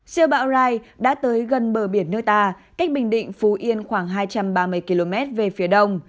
siêu bão rai đã tới gần bờ biển nước ta cách bình định phú yên khoảng hai trăm ba mươi km về phía đông